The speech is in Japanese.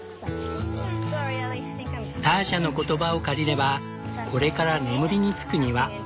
ターシャの言葉を借りれば「これから眠りにつく庭」。